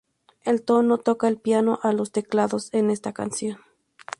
Elton no toca el piano o los teclados en esta canción.